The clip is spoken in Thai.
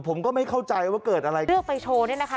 ผมก็ไม่เข้าใจว่าเกิดอะไรขึ้นเรื่องไปโชว์เนี่ยนะคะ